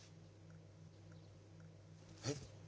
えっ？